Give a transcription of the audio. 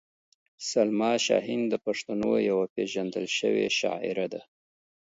سلما شاهین د پښتنو یوه پېژندل شوې شاعره ده.